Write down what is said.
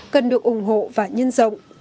cần được ủng hộ và nhân rộng